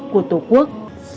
của tổ quốc